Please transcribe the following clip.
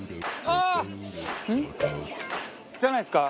じゃないですか？